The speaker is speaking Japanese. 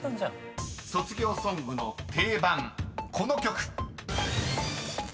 ［卒業ソングの定番この曲］